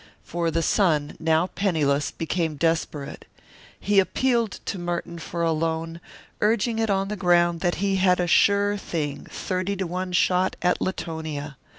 For the son, now penniless, became desperate. He appealed to Merton for a loan, urging it on the ground that he had a sure thing thirty to one shot at Latonia.